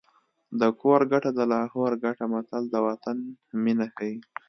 د کور ګټه د لاهور ګټه متل د وطن مینه ښيي